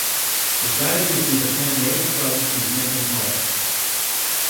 The strategy has been to plant native shrubs in connecting corridors.